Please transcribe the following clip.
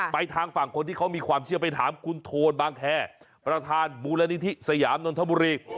ทางฝั่งคนที่เขามีความเชื่อไปถามคุณโทนบางแคร์ประธานมูลนิธิสยามนนทบุรี